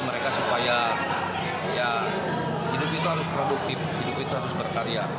mereka supaya ya hidup itu harus produktif hidup itu harus berkarya